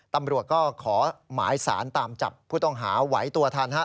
ตำรวจก็ขอหมายสารตามจับผู้ต้องหาไหวตัวทันฮะ